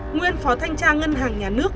nguyên phó thanh tra ngân hàng nhà nước